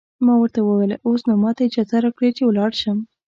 ما ورته وویل: اوس نو ماته اجازه راکړئ چې ولاړ شم.